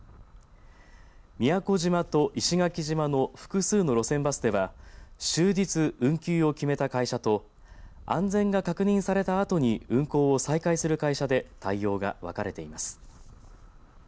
宮古島と石垣島の複数の路線バスでは終日運休を決めた会社と安全が確認されたあとに運行を再開する会社で対応が分かれています。